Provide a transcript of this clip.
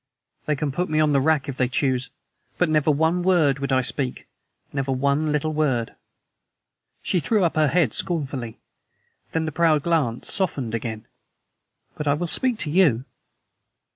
"They can put me on the rack if they choose, but never one word would I speak never one little word." She threw up her head scornfully. Then the proud glance softened again. "But I will speak for you."